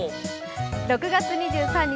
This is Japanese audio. ６月２３日